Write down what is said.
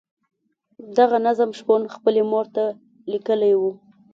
دغه نظم شپون خپلې مور ته لیکلی وو.